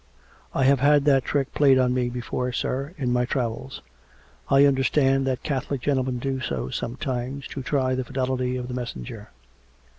" I have had that trick played on me before, sir, in my travels. I understand that Catholic gentlemen do so some times to try the fidelity of the messenger."